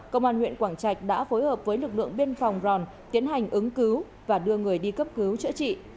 công an huyện quảng trạch đã phối hợp với lực lượng biên phòng ròn tiến hành ứng cứu và đưa người đi cấp cứu chữa trị